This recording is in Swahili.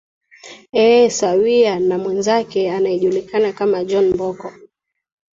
ee sawia na mwenzake anayejulikana kama john mboko